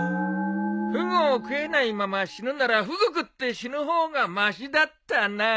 フグを食えないまま死ぬならフグ食って死ぬ方がましだったな。